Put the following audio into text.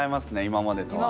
今までとは。